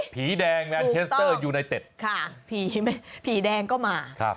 ผีแดงแมนเชสเตอร์ยูไนเต็ดค่ะผีไหมผีแดงก็มา